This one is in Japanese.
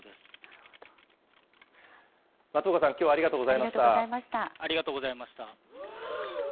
松岡さん、きょうはありがとありがとうございました。